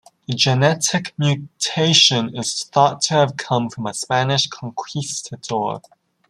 The genetic mutation is thought to have come from a Spanish conquistador.